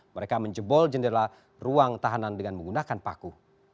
mereka menjebol jendela ruang tahanan dengan menggunakan paku